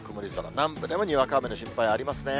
南部でもにわか雨の心配、ありますね。